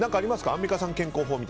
アンミカさんの健康法。